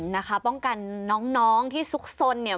นะคะป้องกันน้องที่ซุกซน